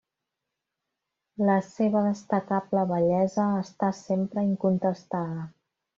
La seva destacable bellesa està sempre incontestada.